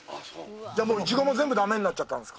じゃあ、イチゴも全部だめになっちゃったんですか。